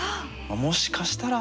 もしかしたら。